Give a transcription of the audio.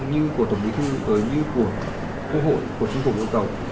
như của tổng thủy thư như của quốc hội của chính phủ bộ cầu